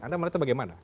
anda melihatnya bagaimana